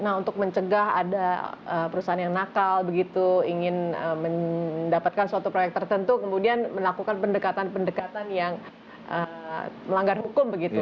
nah untuk mencegah ada perusahaan yang nakal begitu ingin mendapatkan suatu proyek tertentu kemudian melakukan pendekatan pendekatan yang melanggar hukum begitu